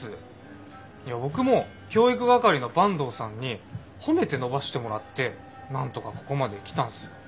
いや僕も教育係の坂東さんに褒めて伸ばしてもらってなんとかここまで来たんすよ。